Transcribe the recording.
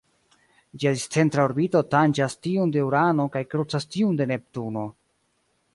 Ĝia discentra orbito tanĝas tiun de Urano kaj krucas tiun de Neptuno.